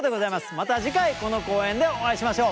また次回この公園でお会いしましょう。